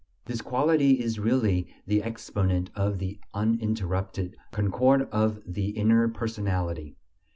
This quality is really the exponent of the uninterrupted concord of the inner personality.